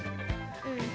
うん。